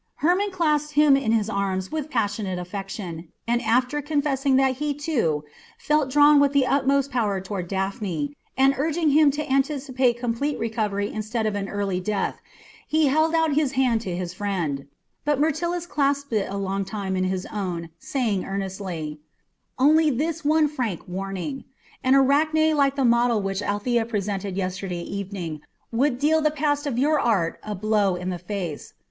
Hermon clasped him in his arms with passionate affection, and after confessing that he, too, felt drawn with the utmost power toward Daphne, and urging him to anticipate complete recovery instead of an early death, he held out his hand to his friend; but Myrtilus clasped it a long time in his own, saying earnestly: "Only this one frank warning: An Arachne like the model which Althea presented yesterday evening would deal the past of your art a blow in the face.